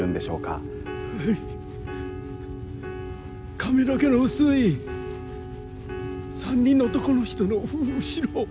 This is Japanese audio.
髪の毛の薄い３人の男の人の後ろ。